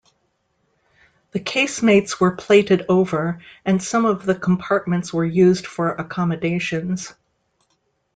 The casemates were plated over and some of the compartments were used for accommodations.